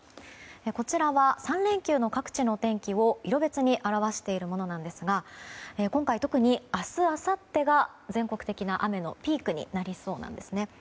こちらは３連休の各地のお天気を色別に表しているものなんですが今回、特に明日あさってが全国的な雨のピークになりそうなんですね。